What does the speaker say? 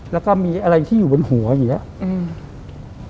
แล้วก็มีอะไรที่อยู่บนหัวอย่างนี้